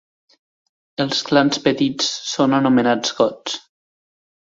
Els clans petits són anomenats gots.